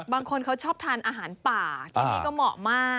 บางคนเขาชอบทานอาหารป่าที่นี่ก็เหมาะมาก